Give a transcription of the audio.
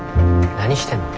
何してんの？